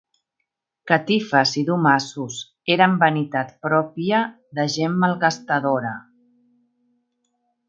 Catifes i domassos, eren vanitat propia de gent malgastadora.